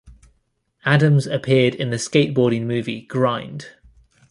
Adams appeared in the skateboarding movie "Grind".